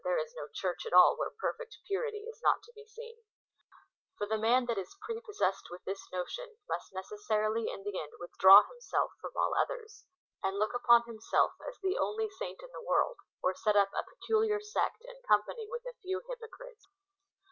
there is no Church atjill where perfect purity is not to be seeix. For the man that is prepossessed with this notion, must necessarily in the end withdraw from all others, and look upon himself as the only saint in the world, or set up a peculiar sect in company with a few hj'pocrites.